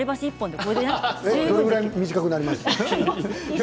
どれぐらい短くなりましたか？